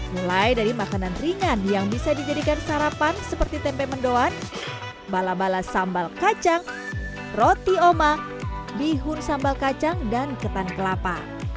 mulai dari makanan ringan yang bisa dijadikan sarapan seperti tempe mendoan bala bala sambal kacang roti oma bihun sambal kacang dan ketan kelapa